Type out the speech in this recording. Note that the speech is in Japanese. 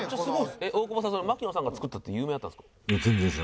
大久保さんそれ槙野さんが作ったって有名だったんですか？